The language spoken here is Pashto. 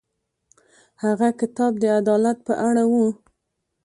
هغه کتاب د عدالت په اړه و.